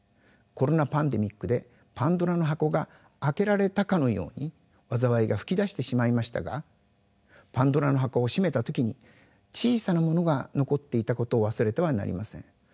コロナパンデミックでパンドラの箱が開けられたかのように災いが噴き出してしまいましたがパンドラの箱を閉めた時に小さなものが残っていたことを忘れてはなりません。